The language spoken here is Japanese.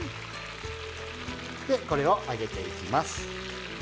これを揚げていきます。